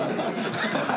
ハハハハ！